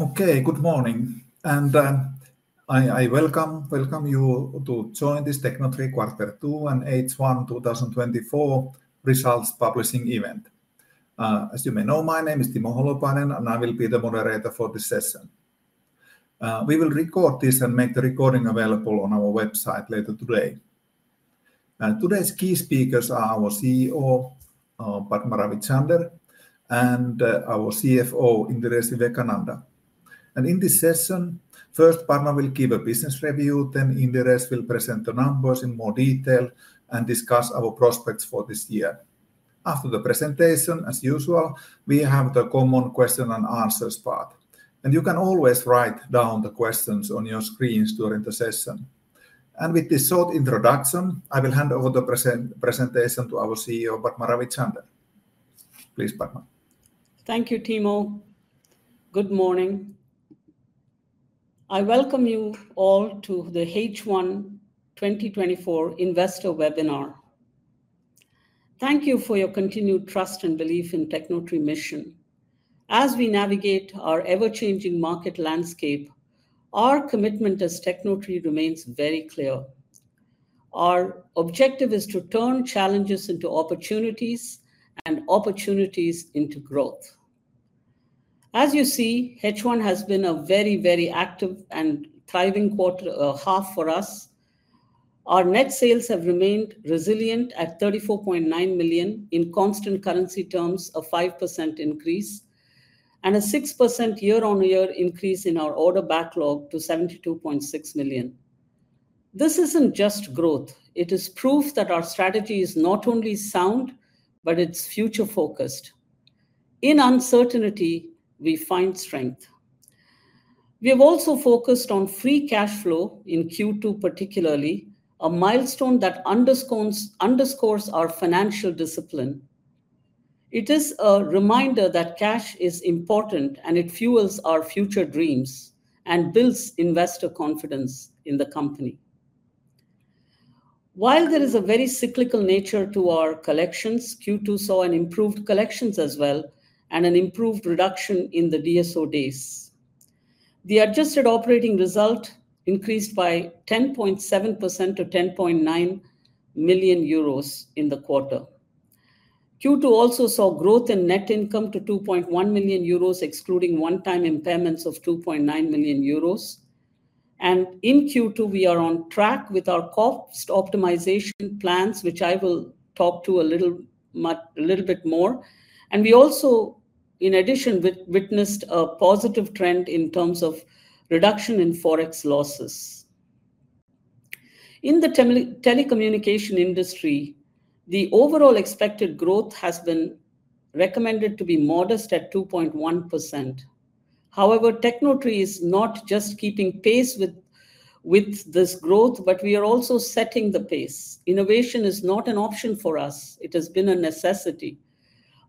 Okay, good morning, and I welcome you to join this Tecnotree Quarter Two and H1 2024 Results publishing event. As you may know, my name is Timo Holopainen, and I will be the moderator for this session. We will record this and make the recording available on our website later today. And today's key speakers are our CEO, Padma Ravichander, and our CFO, Indiresh Vivekananda. And in this session, first, Padma will give a business review, then Indiresh will present the numbers in more detail and discuss our prospects for this year. After the presentation, as usual, we have the common question and answers part, and you can always write down the questions on your screens during the session. And with this short introduction, I will hand over the presentation to our CEO, Padma Ravichander. Please, Padma. Thank you, Timo. Good morning. I welcome you all to the H1 2024 Investor Webinar. Thank you for your continued trust and belief in Tecnotree mission. As we navigate our ever-changing market landscape, our commitment as Tecnotree remains very clear. Our objective is to turn challenges into opportunities and opportunities into growth. As you see, H1 has been a very, very active and thriving quarter, half for us. Our net sales have remained resilient at 34.9 million, in constant currency terms, a 5% increase, and a 6% year-on-year increase in our order backlog to 72.6 million. This isn't just growth, it is proof that our strategy is not only sound, but it's future-focused. In uncertainty, we find strength. We have also focused on free cash flow in Q2, particularly, a milestone that underscores our financial discipline. It is a reminder that cash is important, and it fuels our future dreams and builds investor confidence in the company. While there is a very cyclical nature to our collections, Q2 saw an improved collections as well, and an improved reduction in the DSO days. The adjusted operating result increased by 10.7% to 10.9 million euros in the quarter. Q2 also saw growth in net income to 2.1 million euros, excluding one-time impairments of 2.9 million euros. In Q2, we are on track with our cost optimization plans, which I will talk to a little bit more. We also, in addition, witnessed a positive trend in terms of reduction in Forex losses. In the telecommunication industry, the overall expected growth has been recommended to be modest at 2.1%. However, Tecnotree is not just keeping pace with, with this growth, but we are also setting the pace. Innovation is not an option for us. It has been a necessity.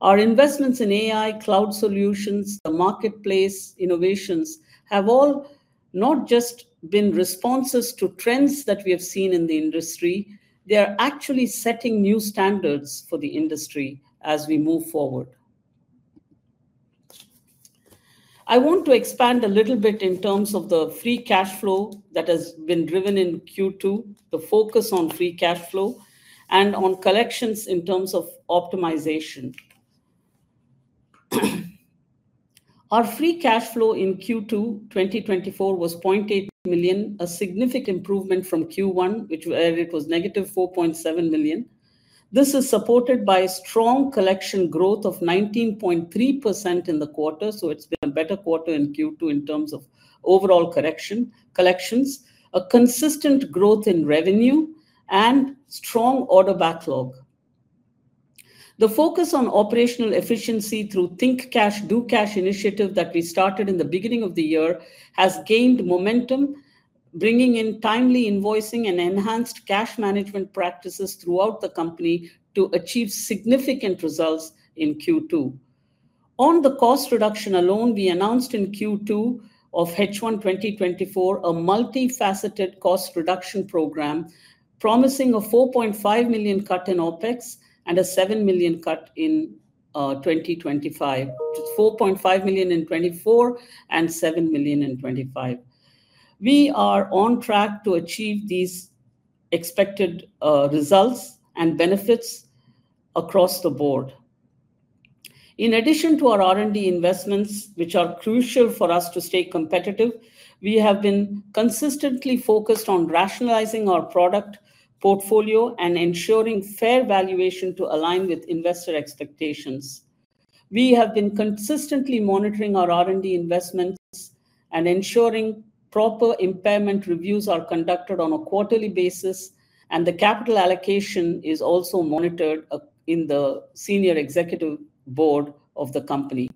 Our investments in AI, cloud solutions, the marketplace innovations, have all not just been responses to trends that we have seen in the industry, they are actually setting new standards for the industry as we move forward. I want to expand a little bit in terms of the free cash flow that has been driven in Q2, the focus on free cash flow, and on collections in terms of optimization. Our free cash flow in Q2 2024 was 0.8 million, a significant improvement from Q1, which it was negative 4.7 million. This is supported by strong collection growth of 19.3% in the quarter, so it's been a better quarter in Q2 in terms of overall collection, collections, a consistent growth in revenue, and strong order backlog. The focus on operational efficiency through 'Think Cash, Do Cash' initiative that we started in the beginning of the year, has gained momentum, bringing in timely invoicing and enhanced cash management practices throughout the company to achieve significant results in Q2. On the cost reduction alone, we announced in Q2 of H1 2024, a multifaceted cost reduction program, promising a 4.5 million cut in OpEx and a 7 million cut in 2025. 4.5 million in 2024, and 7 million in 2025. We are on track to achieve these expected results and benefits across the board. In addition to our R&D investments, which are crucial for us to stay competitive, we have been consistently focused on rationalizing our product portfolio and ensuring fair valuation to align with investor expectations. We have been consistently monitoring our R&D investments and ensuring proper impairment reviews are conducted on a quarterly basis, and the capital allocation is also monitored up in the senior executive board of the company.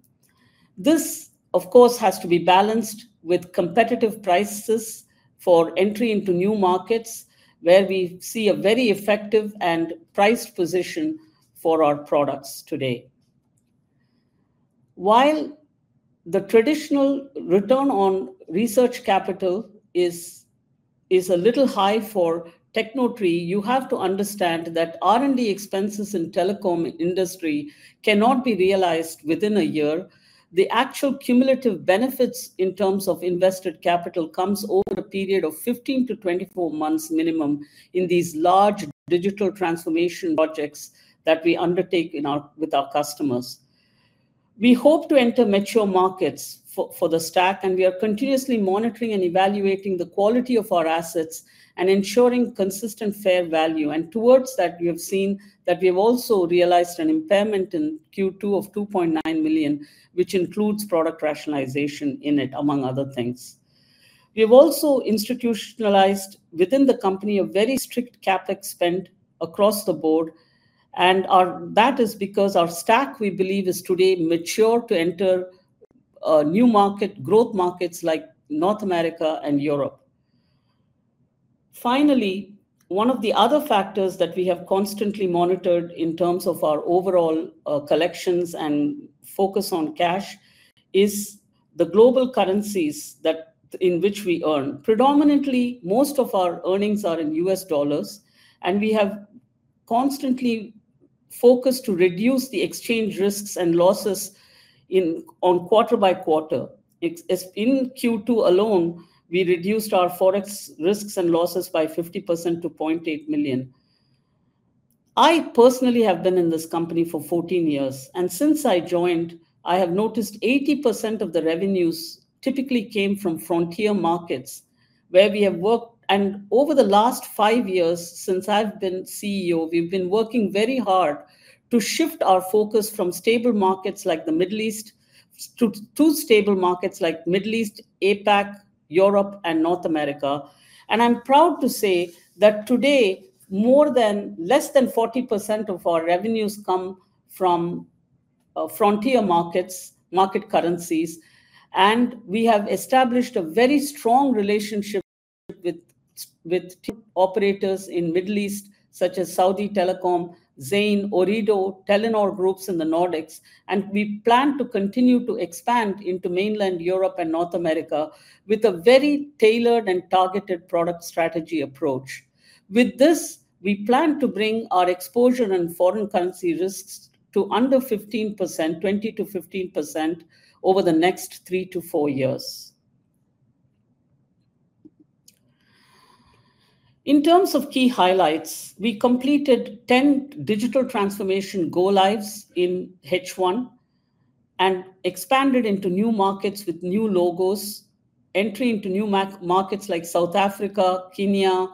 This, of course, has to be balanced with competitive prices for entry into new markets, where we see a very effective and priced position for our products today. While the traditional return on research capital is a little high for Tecnotree, you have to understand that R&D expenses in telecom industry cannot be realized within a year. The actual cumulative benefits in terms of invested capital comes over a period of 15-24 months minimum in these large digital transformation projects that we undertake in our with our customers. We hope to enter mature markets for, for the stack, and we are continuously monitoring and evaluating the quality of our assets and ensuring consistent fair value. And towards that, we have seen that we have also realized an impairment in Q2 of 2.9 million, which includes product rationalization in it, among other things. We have also institutionalized within the company a very strict CapEx spend across the board, and our, that is because our stack, we believe, is today mature to enter new market, growth markets like North America and Europe. Finally, one of the other factors that we have constantly monitored in terms of our overall collections and focus on cash is the global currencies in which we earn. Predominantly, most of our earnings are in U.S. dollars, and we have constantly focused to reduce the exchange risks and losses in on quarter by quarter. It's, as in Q2 alone, we reduced our Forex risks and losses by 50% to 0.8 million. I personally have been in this company for 14 years, and since I joined, I have noticed 80% of the revenues typically came from frontier markets, where we have worked... And over the last five years, since I've been CEO, we've been working very hard to shift our focus from stable markets like the Middle East, to, to stable markets like Middle East, APAC, Europe, and North America. I'm proud to say that today, less than 40% of our revenues come from frontier markets, market currencies, and we have established a very strong relationship with operators in Middle East, such as Saudi Telecom, Zain, Ooredoo, Telenor Group in the Nordics, and we plan to continue to expand into mainland Europe and North America with a very tailored and targeted product strategy approach. With this, we plan to bring our exposure and foreign currency risks to under 15%, 20%-15% over the next three to four years. In terms of key highlights, we completed 10 digital transformation go-lives in H1 and expanded into new markets with new logos, entering into new markets like South Africa, Kenya,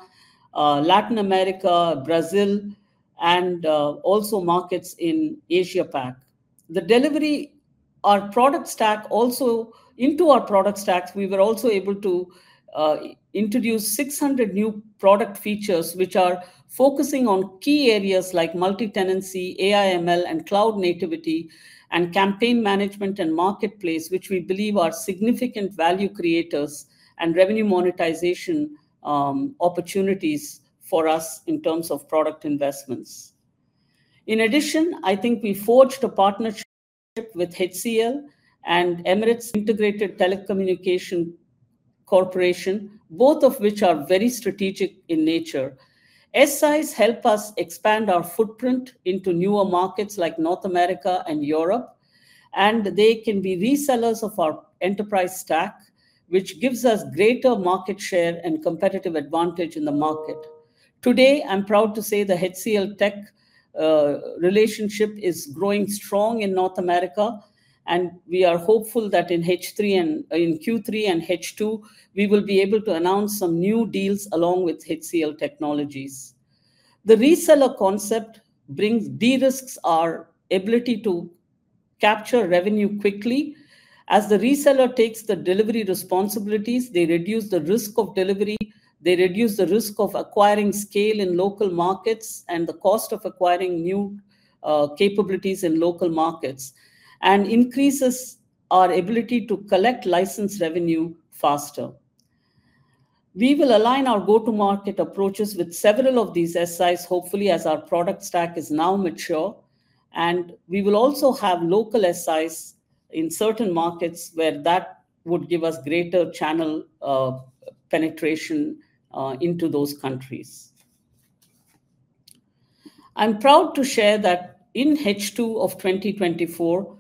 Latin America, Brazil, and also markets in Asia-Pac. The delivery of our product stack also into our product stacks, we were also able to introduce 600 new product features, which are focusing on key areas like multi-tenancy, AI/ML, and cloud-native, and campaign management and marketplace, which we believe are significant value creators and revenue monetization opportunities for us in terms of product investments. In addition, I think we forged a partnership with HCL and Emirates Integrated Telecommunications Company, both of which are very strategic in nature. SIs help us expand our footprint into newer markets like North America and Europe, and they can be resellers of our enterprise stack, which gives us greater market share and competitive advantage in the market. Today, I'm proud to say the HCLTech relationship is growing strong in North America, and we are hopeful that in Q3 and H2, we will be able to announce some new deals along with HCL Technologies. The reseller concept de-risks our ability to capture revenue quickly. As the reseller takes the delivery responsibilities, they reduce the risk of delivery, they reduce the risk of acquiring scale in local markets and the cost of acquiring new capabilities in local markets, and increases our ability to collect license revenue faster. We will align our go-to-market approaches with several of these SIs, hopefully, as our product stack is now mature, and we will also have local SIs in certain markets where that would give us greater channel penetration into those countries. I'm proud to share that in H2 of 2024,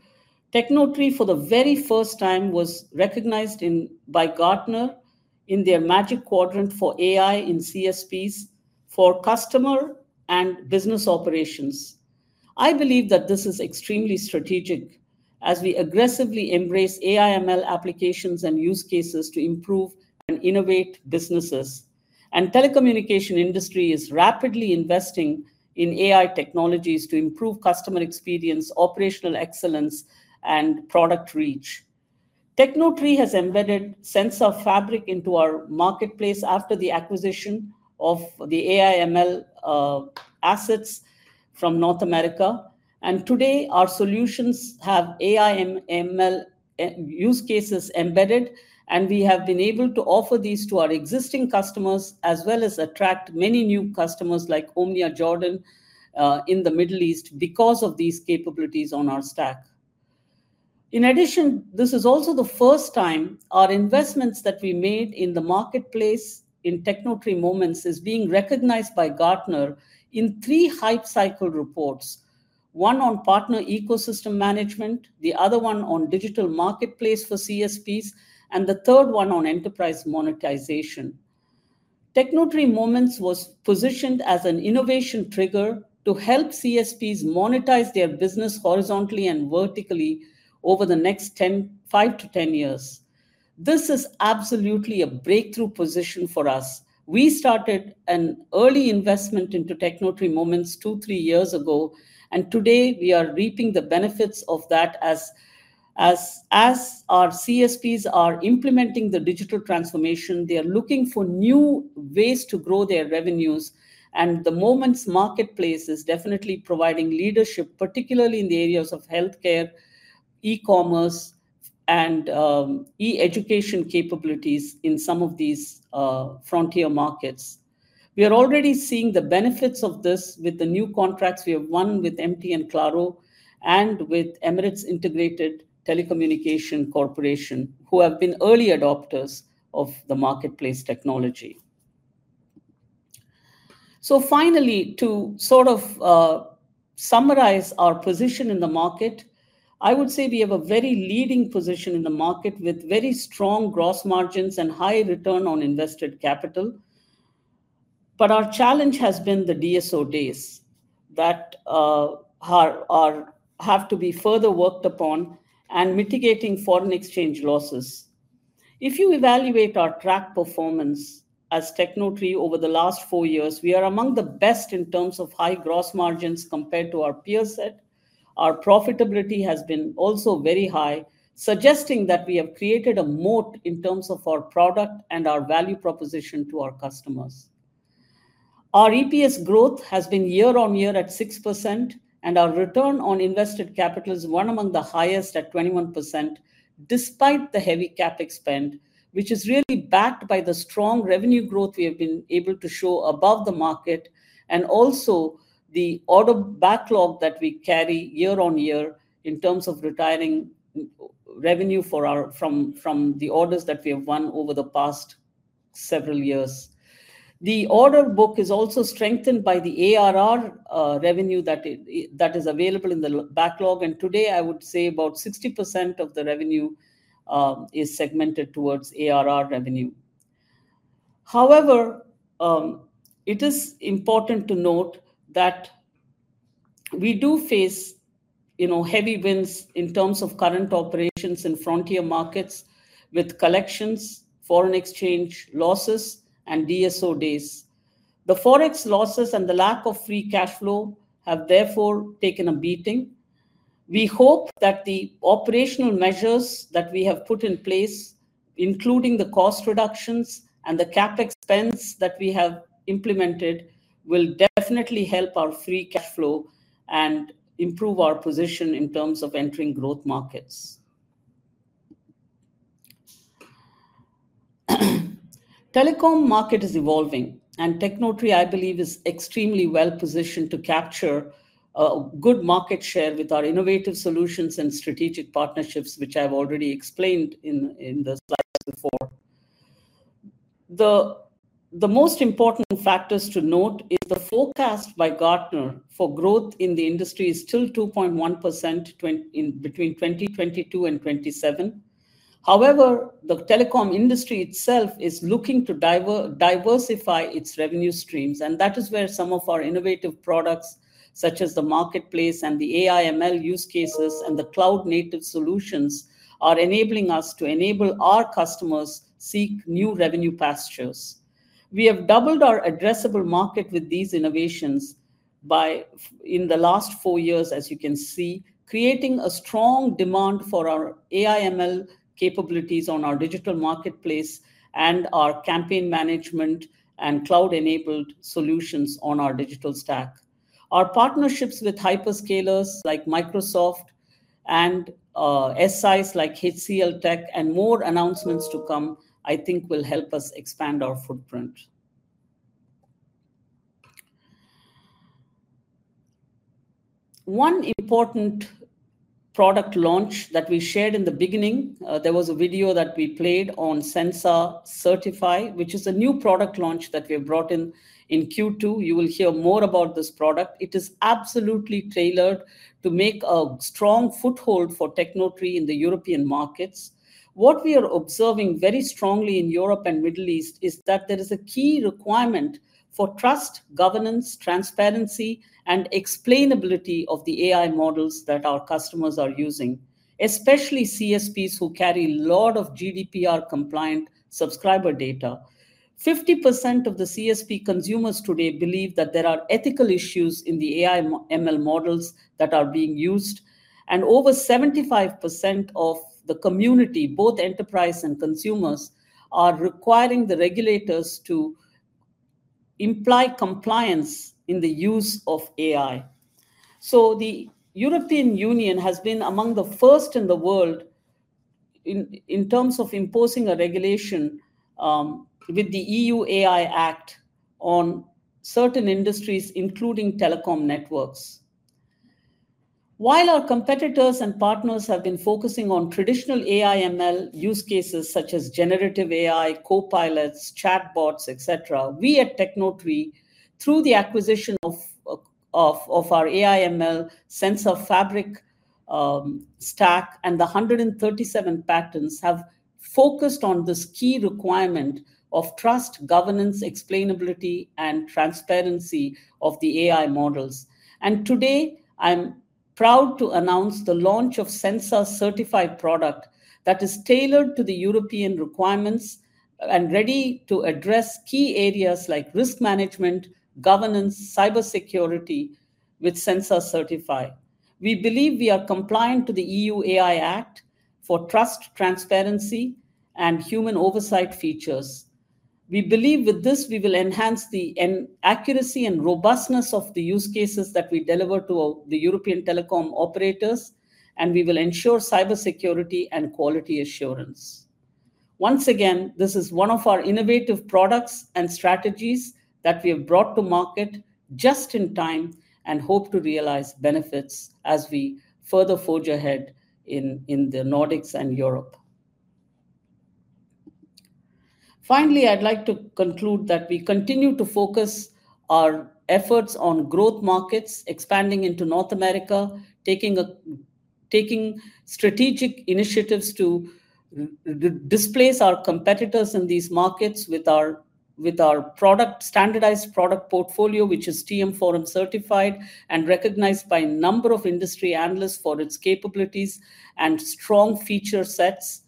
Tecnotree, for the very first time, was recognized by Gartner in their Magic Quadrant for AI in CSPs for customer and business operations. I believe that this is extremely strategic as we aggressively embrace AI/ML applications and use cases to improve and innovate businesses. The telecommunication industry is rapidly investing in AI technologies to improve customer experience, operational excellence, and product reach. Tecnotree has embedded Sensa Fabric into our marketplace after the acquisition of the AI/ML assets from North America, and today, our solutions have AI/ML use cases embedded, and we have been able to offer these to our existing customers, as well as attract many new customers, like Umniah Jordan in the Middle East, because of these capabilities on our stack. In addition, this is also the first time our investments that we made in the marketplace in Tecnotree Moments is being recognized by Gartner in three Hype Cycle reports: one on Partner Ecosystem Management, the other one on Digital Marketplace for CSPs, and the third one on Enterprise Monetization. Tecnotree Moments was positioned as an innovation trigger to help CSPs monetize their business horizontally and vertically over the next five to 10 years. This is absolutely a breakthrough position for us. We started an early investment into Tecnotree Moments two, three years ago, and today we are reaping the benefits of that as our CSPs are implementing the digital transformation, they are looking for new ways to grow their revenues, and the Moments marketplace is definitely providing leadership, particularly in the areas of healthcare, e-commerce, and e-education capabilities in some of these frontier markets. We are already seeing the benefits of this with the new contracts we have won with MTN, Claro and with Emirates Integrated Telecommunications Company, who have been early adopters of the marketplace technology. So finally, to sort of, summarize our position in the market, I would say we have a very leading position in the market, with very strong gross margins and high return on invested capital. But our challenge has been the DSO days that have to be further worked upon and mitigating foreign exchange losses. If you evaluate our track performance as Tecnotree over the last four years, we are among the best in terms of high gross margins compared to our peer set. Our profitability has been also very high, suggesting that we have created a moat in terms of our product and our value proposition to our customers. Our EPS growth has been year-on-year at 6%, and our return on invested capital is one among the highest at 21%, despite the heavy CapEx spend, which is really backed by the strong revenue growth we have been able to show above the market, and also the order backlog that we carry year-on-year in terms of retiring revenue from the orders that we have won over the past several years. The order book is also strengthened by the ARR revenue that is available in the backlog, and today, I would say about 60% of the revenue is segmented towards ARR revenue. However, it is important to note that we do face, you know, headwinds in terms of current operations in frontier markets with collections, foreign exchange losses, and DSO days. The Forex losses and the lack of free cash flow have therefore taken a beating. We hope that the operational measures that we have put in place, including the cost reductions and the CapEx spends that we have implemented, will definitely help our free cash flow and improve our position in terms of entering growth markets. Telecom market is evolving, and Tecnotree, I believe, is extremely well positioned to capture good market share with our innovative solutions and strategic partnerships, which I've already explained in the slides before. The most important factors to note is the forecast by Gartner for growth in the industry is still 2.1% in between 2022 and 2027. However, the telecom industry itself is looking to diversify its revenue streams, and that is where some of our innovative products, such as the marketplace and the AI/ML use cases and the cloud-native solutions, are enabling us to enable our customers seek new revenue pastures. We have doubled our addressable market with these innovations in the last four years, as you can see, creating a strong demand for our AI/ML capabilities on our Digital Marketplace and our campaign management and cloud-enabled solutions on our digital stack. Our partnerships with hyperscalers like Microsoft and SIs like HCLTech and more announcements to come, I think, will help us expand our footprint. One important product launch that we shared in the beginning, there was a video that we played on Sensa CertifAI, which is a new product launch that we have brought in in Q2. You will hear more about this product. It is absolutely tailored to make a strong foothold for Tecnotree in the European markets. What we are observing very strongly in Europe and Middle East is that there is a key requirement for trust, governance, transparency, and explainability of the AI models that our customers are using, especially CSPs who carry a lot of GDPR-compliant subscriber data. 50% of the CSP consumers today believe that there are ethical issues in the AI/ML models that are being used, and over 75% of the community, both enterprise and consumers, are requiring the regulators to imply compliance in the use of AI. So the European Union has been among the first in the world in terms of imposing a regulation with the EU AI Act on certain industries, including telecom networks. While our competitors and partners have been focusing on traditional AI/ML use cases such as generative AI, copilots, chatbots, et cetera, we at Tecnotree, through the acquisition of our AI/ML Sensa Fabric stack, and the 137 patents, have focused on this key requirement of trust, governance, explainability, and transparency of the AI models. Today, I'm proud to announce the launch of Sensa CertifAI product that is tailored to the European requirements and ready to address key areas like risk management, governance, cybersecurity with Sensa CertifAI. We believe we are compliant to the EU AI Act for trust, transparency, and human oversight features. We believe with this, we will enhance the accuracy and robustness of the use cases that we deliver to the European telecom operators, and we will ensure cybersecurity and quality assurance. Once again, this is one of our innovative products and strategies that we have brought to market just in time and hope to realize benefits as we further forge ahead in the Nordics and Europe. Finally, I'd like to conclude that we continue to focus our efforts on growth markets, expanding into North America, taking strategic initiatives to displace our competitors in these markets with our standardized product portfolio, which is TM Forum certified, and recognized by a number of industry analysts for its capabilities and strong feature sets.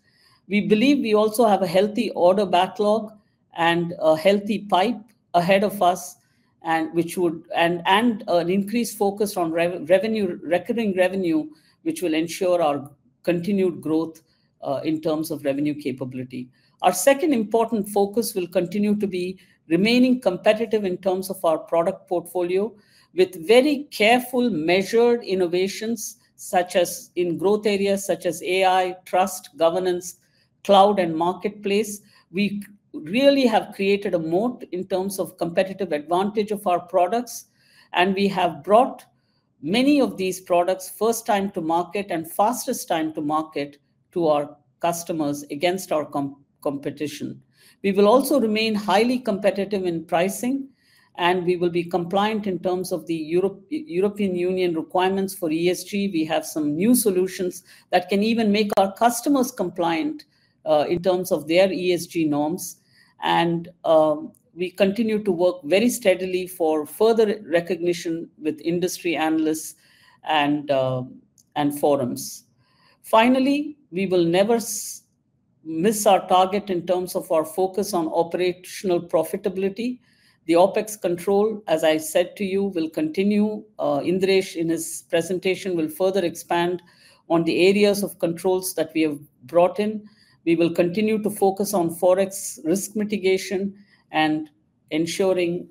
We believe we also have a healthy order backlog and a healthy pipe ahead of us, and an increased focus on revenue, recurring revenue, which will ensure our continued growth in terms of revenue capability. Our second important focus will continue to be remaining competitive in terms of our product portfolio, with very careful, measured innovations, such as in growth areas such as AI, trust, governance, cloud, and marketplace. We really have created a moat in terms of competitive advantage of our products, and we have brought many of these products first time to market and fastest time to market to our customers against our competition. We will also remain highly competitive in pricing, and we will be compliant in terms of the European Union requirements for ESG. We have some new solutions that can even make our customers compliant, in terms of their ESG norms, and, we continue to work very steadily for further recognition with industry analysts and, and forums. Finally, we will never miss our target in terms of our focus on operational profitability. The OpEx control, as I said to you, will continue. Indiresh, in his presentation, will further expand on the areas of controls that we have brought in. We will continue to focus on Forex risk mitigation and ensuring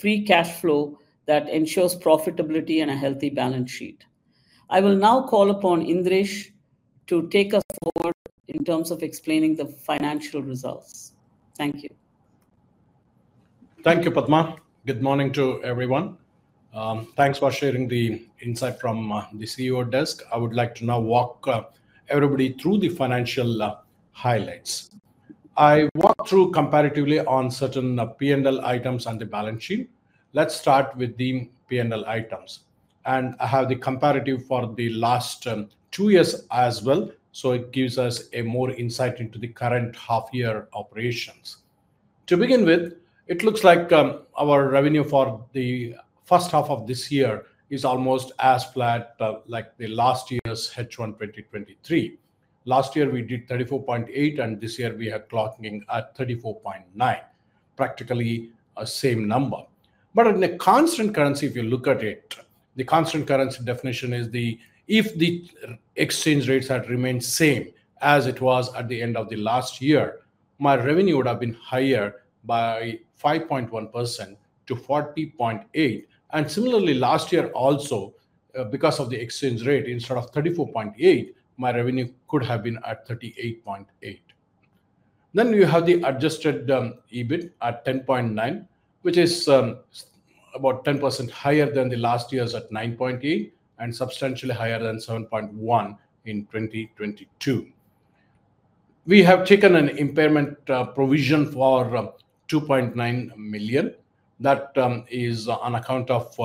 free cash flow that ensures profitability and a healthy balance sheet. I will now call upon Indiresh to take us forward in terms of explaining the financial results. Thank you. Thank you, Padma. Good morning to everyone. Thanks for sharing the insight from the CEO desk. I would like to now walk everybody through the financial highlights. I walk through comparatively on certain P&L items on the balance sheet. Let's start with the P&L items, and I have the comparative for the last two years as well, so it gives us a more insight into the current half year operations. To begin with, it looks like our revenue for the first half of this year is almost as flat like the last year's H1 2023. Last year we did 34.8 million, and this year we are clocking at 34.9 million, practically a same number. But in the constant currency, if you look at it, the constant currency definition is the... If the exchange rates had remained same as it was at the end of the last year, my revenue would have been higher by 5.1% to 40.8 million. Similarly, last year also, because of the exchange rate, instead of 34.8, my revenue could have been at 38.8. You have the adjusted EBIT at 10.9, which is about 10% higher than the last year's at 9.8, and substantially higher than 7.1 in 2022. We have taken an impairment provision for 2.9 million. That is on account of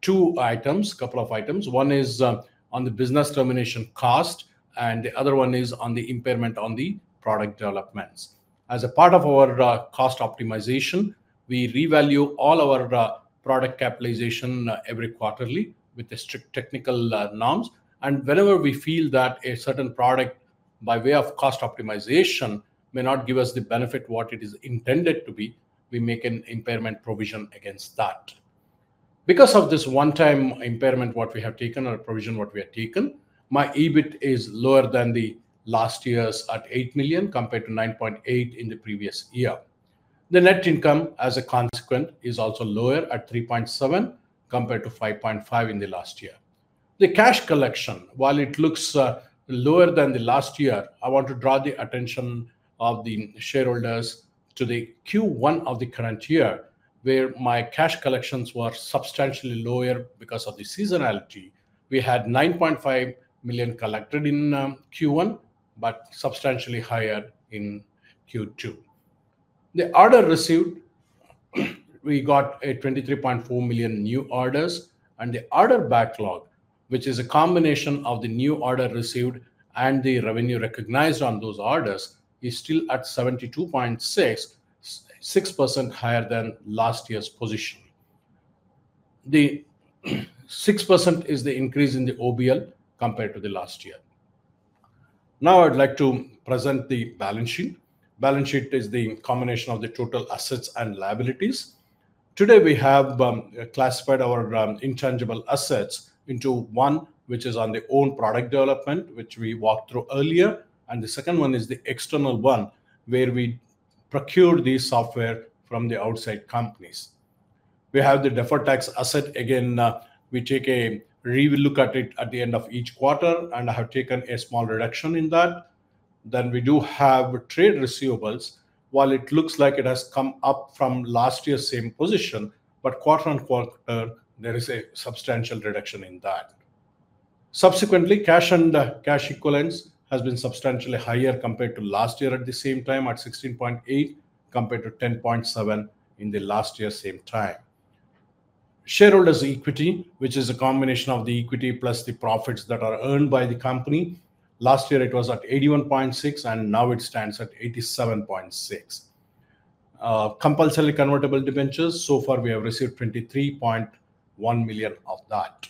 two items, couple of items. One is on the business termination cost, and the other one is on the impairment on the product developments. As a part of our, cost optimization, we revalue all our, product capitalization every quarterly with the strict technical, norms, and whenever we feel that a certain product, by way of cost optimization, may not give us the benefit what it is intended to be, we make an impairment provision against that. Because of this one-time impairment, what we have taken, or provision what we have taken, my EBIT is lower than the last year's at 8 million, compared to 9.8 million in the previous year.... The net income as a consequence, is also lower at 3.7 million, compared to 5.5 million in the last year. The cash collection, while it looks lower than the last year, I want to draw the attention of the shareholders to the Q1 of the current year, where my cash collections were substantially lower because of the seasonality. We had 9.5 million collected in Q1, but substantially higher in Q2. The order received, we got a 23.4 million new orders, and the order backlog, which is a combination of the new order received and the revenue recognized on those orders, is still at 72.6, 6% higher than last year's position. The 6% is the increase in the OBL compared to the last year. Now, I'd like to present the balance sheet. Balance sheet is the combination of the total assets and liabilities. Today, we have classified our intangible assets into one, which is on the own product development, which we walked through earlier. The second one is the external one, where we procure the software from the outside companies. We have the deferred tax asset. Again, we take a re-look at it at the end of each quarter, and I have taken a small reduction in that. We do have trade receivables. While it looks like it has come up from last year's same position, but quarter on quarter, there is a substantial reduction in that. Subsequently, cash and cash equivalents has been substantially higher compared to last year at the same time, at 16.8, compared to 10.7 in the last year, same time. Shareholders' equity, which is a combination of the equity plus the profits that are earned by the company. Last year, it was at 81.6, and now it stands at 87.6. Compulsorily convertible debentures, so far we have received 23.1 million of that,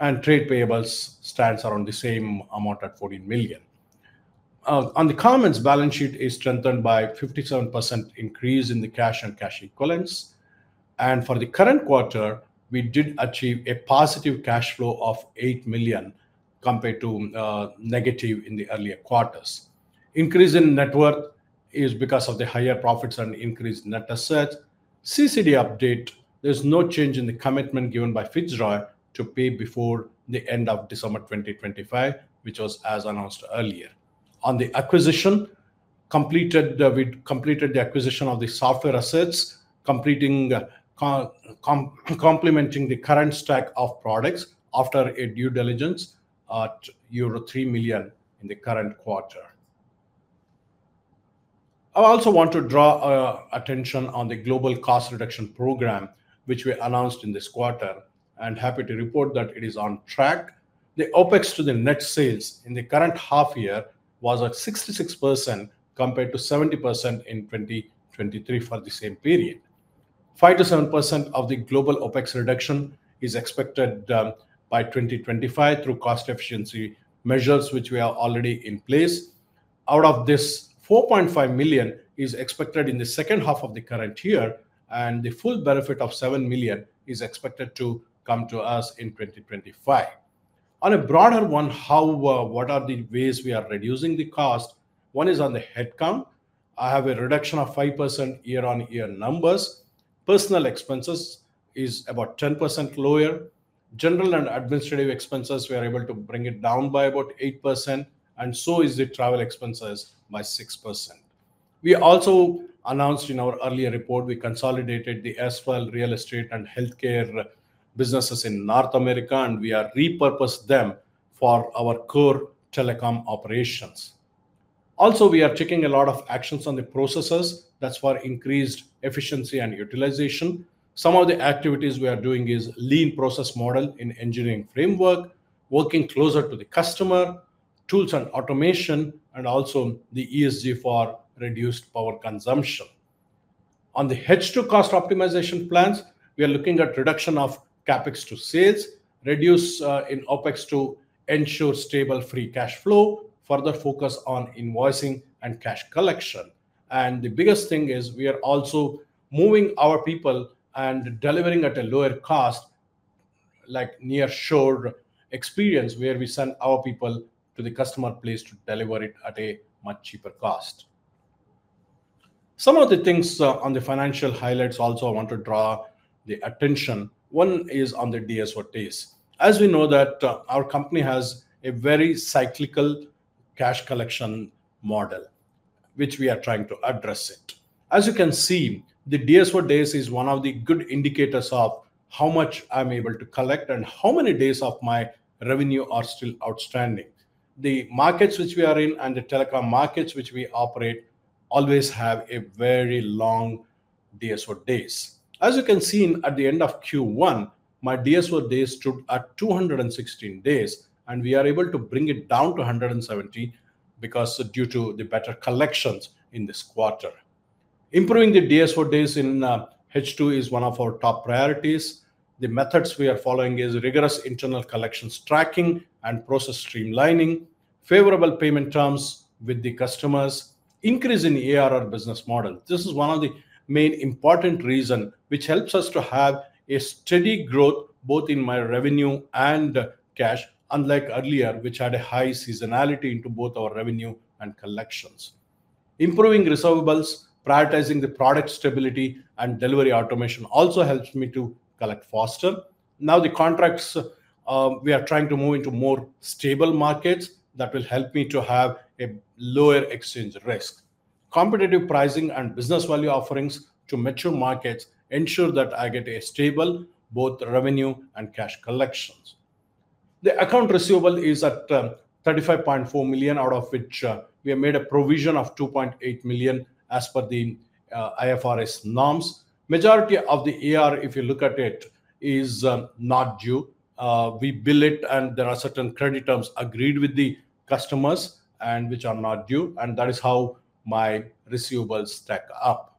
and trade payables stands around the same amount at 14 million. On the comments, balance sheet is strengthened by 57% increase in the cash and cash equivalents, and for the current quarter, we did achieve a positive cash flow of 8 million compared to negative in the earlier quarters. Increase in net worth is because of the higher profits and increased net assets. CCD update, there's no change in the commitment given by Fitzroy to pay before the end of December 2025, which was as announced earlier. On the acquisition completed, we completed the acquisition of the software assets, completing complementing the current stack of products after a due diligence at euro 3 million in the current quarter. I also want to draw attention on the global cost reduction program, which we announced in this quarter, and happy to report that it is on track. The OpEx to the net sales in the current half year was at 66%, compared to 70% in 2023 for the same period. 5%-7% of the global OpEx reduction is expected by 2025 through cost efficiency measures, which we are already in place. Out of this, 4.5 million is expected in the second half of the current year, and the full benefit of 7 million is expected to come to us in 2025. On a broader one, what are the ways we are reducing the cost? One is on the headcount. I have a reduction of 5% year-on-year numbers. Personnel expenses is about 10% lower. General and administrative expenses, we are able to bring it down by about 8%, and so is the travel expenses by 6%. We also announced in our earlier report, we consolidated the erstwhile real estate and healthcare businesses in North America, and we are repurposed them for our core telecom operations. Also, we are taking a lot of actions on the processes. That's for increased efficiency and utilization. Some of the activities we are doing is lean process model in engineering framework, working closer to the customer, tools and automation, and also the ESG for reduced power consumption. On the H2 cost optimization plans, we are looking at reduction of CapEx to sales, reduce in OpEx to ensure stable free cash flow, further focus on invoicing and cash collection. The biggest thing is we are also moving our people and delivering at a lower cost, like nearshore experience, where we send our people to the customer place to deliver it at a much cheaper cost. Some of the things on the financial highlights also I want to draw the attention. One is on the DSO days. As we know that, our company has a very cyclical cash collection model, which we are trying to address it. As you can see, the DSO days is one of the good indicators of how much I'm able to collect and how many days of my revenue are still outstanding. The markets which we are in and the telecom markets which we operate, always have a very long DSO days. As you can see, at the end of Q1, my DSO days stood at 216 days, and we are able to bring it down to 170 because due to the better collections in this quarter. Improving the DSO days in H2 is one of our top priorities. The methods we are following is rigorous internal collections tracking and process streamlining, favorable payment terms with the customers, increase in ARR business model. This is one of the main important reason which helps us to have a steady growth both in my revenue and cash, unlike earlier, which had a high seasonality into both our revenue and collections. Improving receivables, prioritizing the product stability, and delivery automation also helps me to collect faster. Now, the contracts, we are trying to move into more stable markets that will help me to have a lower exchange risk. Competitive pricing and business value offerings to mature markets ensure that I get a stable, both revenue and cash collections. The account receivable is at 35.4 million, out of which, we have made a provision of 2.8 million, as per the IFRS norms. Majority of the AR, if you look at it, is not due. We bill it, and there are certain credit terms agreed with the customers and which are not due, and that is how my receivables stack up.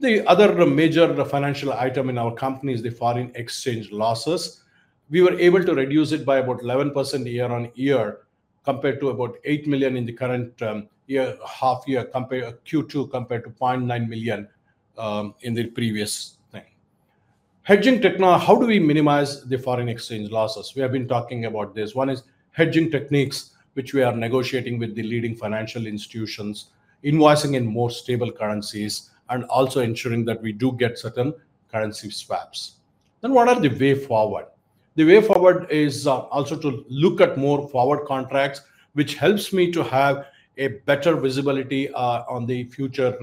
The other major financial item in our company is the foreign exchange losses. We were able to reduce it by about 11% year-over-year, compared to about 8 million in the current year, half year. Compare Q2 compared to 0.9 million in the previous thing. How do we minimize the foreign exchange losses? We have been talking about this. One is hedging techniques, which we are negotiating with the leading financial institutions, invoicing in more stable currencies, and also ensuring that we do get certain currency swaps. Then what are the way forward? The way forward is also to look at more forward contracts, which helps me to have a better visibility on the future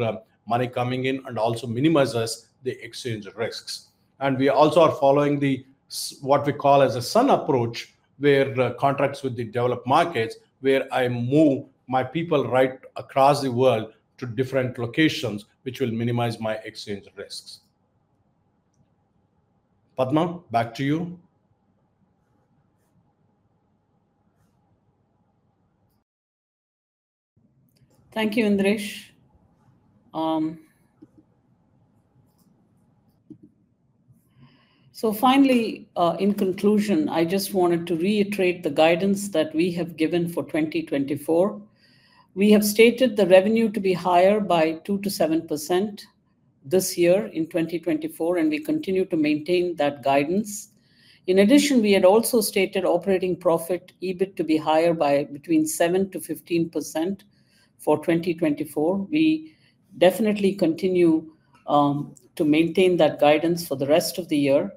money coming in and also minimizes the exchange risks. We also are following what we call as a sun approach, where contracts with the developed markets, where I move my people right across the world to different locations, which will minimize my exchange risks. Padma, back to you. Thank you, Indiresh. So finally, in conclusion, I just wanted to reiterate the guidance that we have given for 2024. We have stated the revenue to be higher by 2%-7% this year in 2024, and we continue to maintain that guidance. In addition, we had also stated operating profit, EBIT, to be higher by between 7%-15% for 2024. We definitely continue to maintain that guidance for the rest of the year.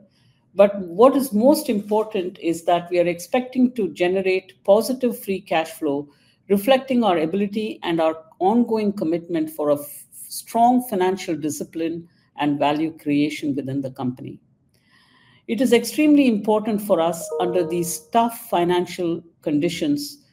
But what is most important is that we are expecting to generate positive free cash flow, reflecting our ability and our ongoing commitment for a strong financial discipline and value creation within the company. It is extremely important for us, under these tough financial conditions,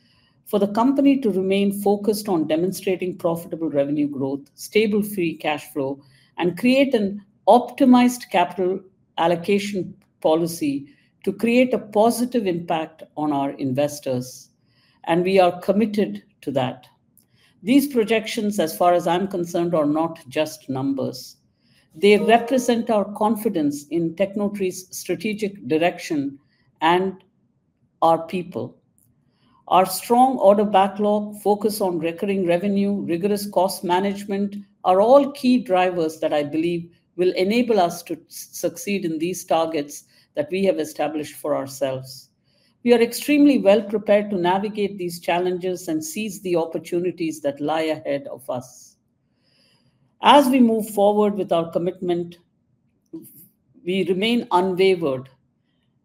for the company to remain focused on demonstrating profitable revenue growth, stable free cash flow, and create an optimized capital allocation policy to create a positive impact on our investors, and we are committed to that. These projections, as far as I'm concerned, are not just numbers. They represent our confidence in Tecnotree's strategic direction and our people. Our strong order backlog, focus on recurring revenue, rigorous cost management, are all key drivers that I believe will enable us to succeed in these targets that we have established for ourselves. We are extremely well-prepared to navigate these challenges and seize the opportunities that lie ahead of us. As we move forward with our commitment, we remain unwavering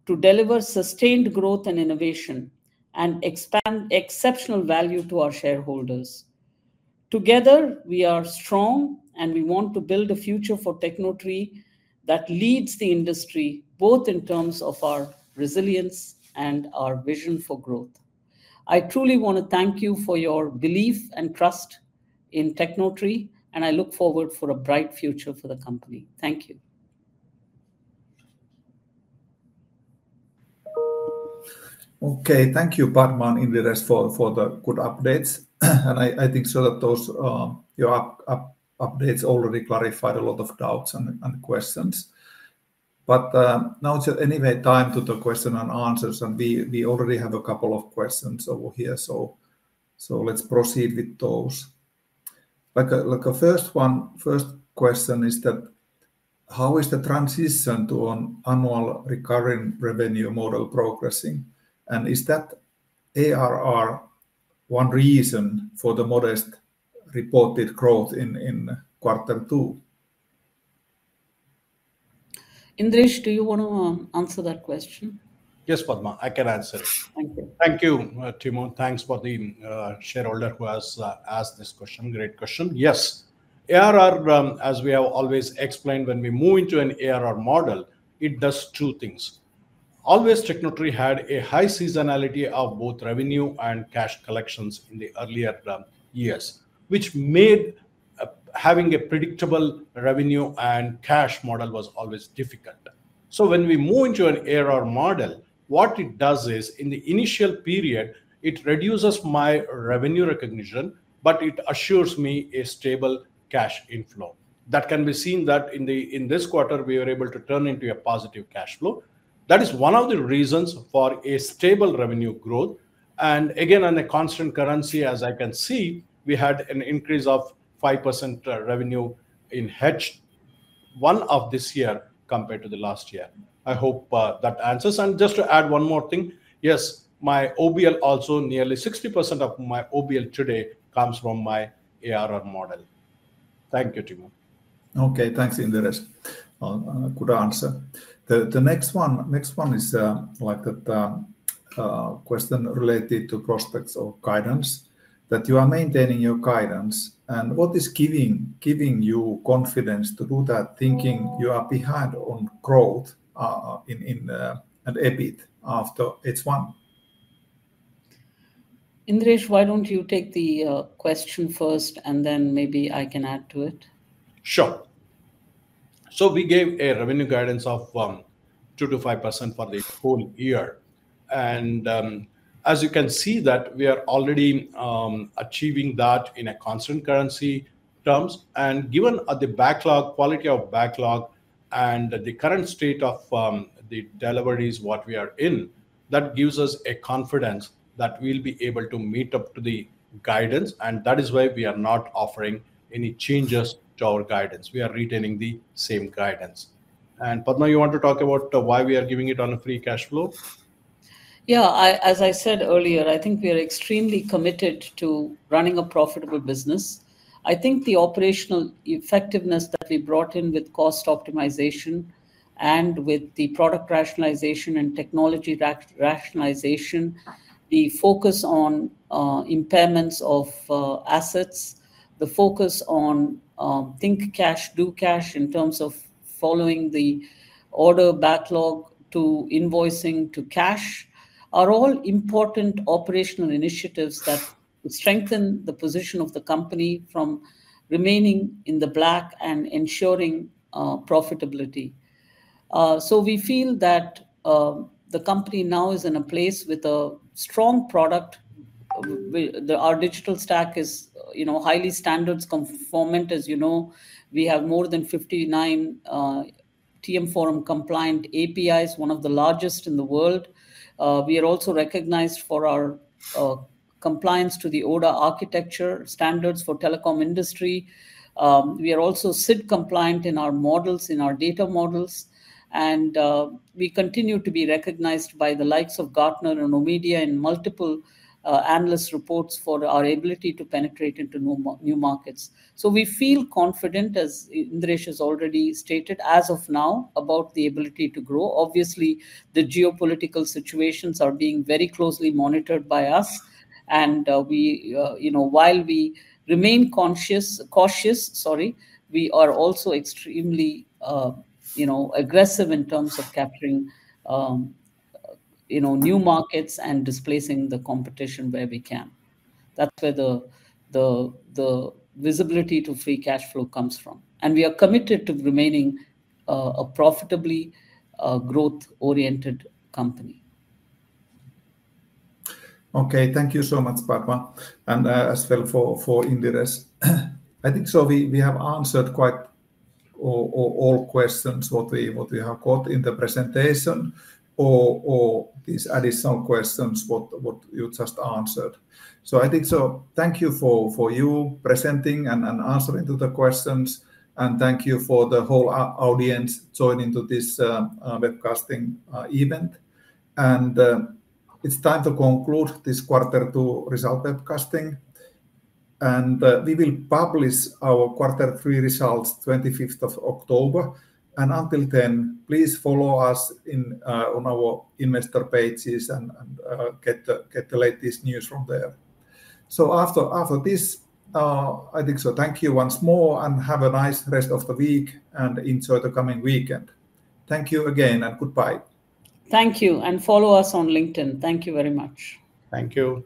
to deliver sustained growth and innovation and expand exceptional value to our shareholders. Together, we are strong, and we want to build a future for Tecnotree that leads the industry, both in terms of our resilience and our vision for growth. I truly want to thank you for your belief and trust in Tecnotree, and I look forward for a bright future for the company. Thank you. Okay. Thank you, Padma and Indiresh, for the good updates. And I think so that those, your updates already clarified a lot of doubts and questions. But, now it's anyway time to the question and answers, and we already have a couple of questions over here, so let's proceed with those. Like, like our first one first question is that: How is the transition to an annual recurring revenue model progressing? And is that ARR one reason for the modest reported growth in quarter two? Indiresh, do you wanna answer that question? Yes, Padma, I can answer. Thank you. Thank you, Timo. Thanks for the shareholder who has asked this question. Great question. Yes, ARR, as we have always explained, when we move into an ARR model, it does two things. Always, Tecnotree had a high seasonality of both revenue and cash collections in the earlier years, which made having a predictable revenue and cash model was always difficult. So when we move into an ARR model, what it does is, in the initial period, it reduces my revenue recognition, but it assures me a stable cash inflow. That can be seen that in the—in this quarter, we were able to turn into a positive cash flow. That is one of the reasons for a stable revenue growth, and again, on a constant currency, as I can see, we had an increase of 5%, revenue in hedged.... one of this year compared to the last year. I hope that answers. Just to add one more thing, yes, my OBL also, nearly 60% of my OBL today comes from my ARR model. Thank you, Timo. Okay, thanks, Indiresh. Good answer. The next one is like the question related to prospects or guidance, that you are maintaining your guidance, and what is giving you confidence to do that, thinking you are behind on growth in EBIT after H1? Indiresh, why don't you take the question first, and then maybe I can add to it? Sure. So we gave a revenue guidance of 2%-5% for the whole year, and as you can see that we are already achieving that in a constant currency terms. And given the backlog, quality of backlog and the current state of the deliveries what we are in, that gives us a confidence that we'll be able to meet up to the guidance, and that is why we are not offering any changes to our guidance. We are retaining the same guidance. And Padma, you want to talk about why we are giving it on a free cash flow? Yeah, as I said earlier, I think we are extremely committed to running a profitable business. I think the operational effectiveness that we brought in with cost optimization and with the product rationalization and technology rationalization, the focus on impairments of assets, the focus on 'Think Cash, Do Cash,' in terms of following the order backlog to invoicing to cash, are all important operational initiatives that strengthen the position of the company from remaining in the black and ensuring profitability. So we feel that the company now is in a place with a strong product. Our digital stack is, you know, highly standards conformant. As you know, we have more than 59 TM Forum compliant APIs, one of the largest in the world. We are also recognized for our compliance to the ODA architecture standards for telecom industry. We are also SID compliant in our models, in our data models, and we continue to be recognized by the likes of Gartner and Omdia and multiple analyst reports for our ability to penetrate into new markets. So we feel confident, as Indiresh has already stated, as of now, about the ability to grow. Obviously, the geopolitical situations are being very closely monitored by us, and we... You know, while we remain conscious, cautious, sorry, we are also extremely, you know, aggressive in terms of capturing, you know, new markets and displacing the competition where we can. That's where the visibility to free cashflow comes from, and we are committed to remaining a profitably growth-oriented company. Okay, thank you so much, Padma, and as well for Indiresh. I think so we have answered quite or all questions what we have got in the presentation or these additional questions what you just answered. So I think so thank you for you presenting and answering to the questions, and thank you for the whole audience joining to this webcasting event. And it's time to conclude this quarter two result webcasting, and we will publish our quarter three results 25th of October, and until then, please follow us on our investor pages and get the latest news from there. So after this, I think so thank you once more, and have a nice rest of the week, and enjoy the coming weekend. Thank you again, and goodbye. Thank you, and follow us on LinkedIn. Thank you very much. Thank you.